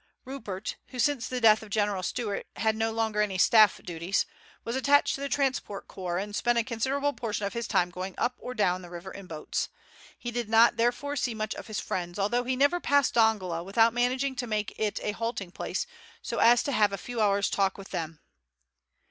Rupert, who since the death of General Stewart had no longer any staff duties, was attached to the transport corps and spent a considerable portion of his time going up or down the river in boats. He did not, therefore, see much of his friends, although he never passed Dongola without managing to make it a halting place so as to have a few hours' talk with them.